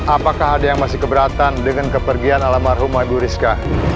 apakah ada yang masih keberatan dengan kepergian almarhumah ibu rizka